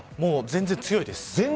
全然強いです。